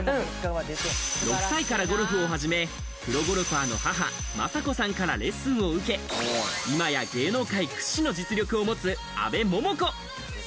６歳からゴルフを始め、プロゴルファーの母・まさ子さんからレッスンを受け、今や芸能界屈指の実力を持つ阿部桃子。